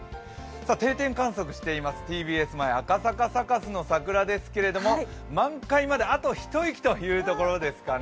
定点観測しているＴＢＳ前赤坂サカスの桜ですけれども満開まで、あと一息というところですかね。